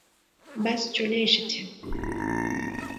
বাস চলে এসেছে।